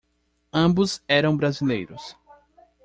Ambos eram brasileiros.